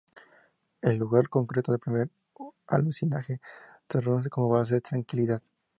El lugar concreto del primer alunizaje se conoce como Base Tranquilidad.